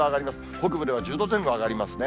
北部では１０度前後上がりますね。